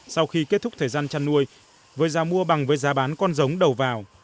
sau khi kết thúc thời gian chăn nuôi với giá mua bằng với giá bán con giống đầu vào